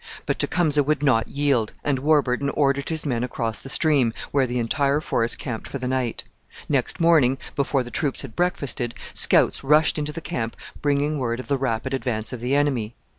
But Tecumseh would not yield, and Warburton ordered his men across the stream, where the entire force camped for the night. Next morning, before the troops had breakfasted, scouts rushed into the camp bringing word of the rapid advance of the enemy.